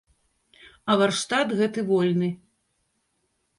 А варштат гэты вольны.